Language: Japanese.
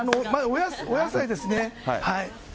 お野菜ですね。